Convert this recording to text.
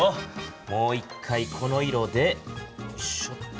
もう一回この色でよいしょっと。